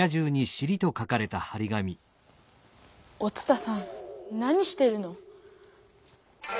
お伝さん何してるの？